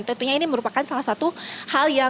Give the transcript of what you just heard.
dan tentunya ini merupakan salah satu pertandingan